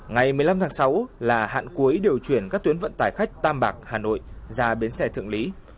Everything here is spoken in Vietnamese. ngày một mươi năm tháng sáu là hạn cuối điều chuyển các tuyến vận tải khách tam bạc hà nội ra bến xe thượng lý